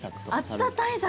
暑さ対策